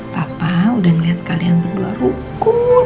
papa udah ngeliat kalian berdua ruku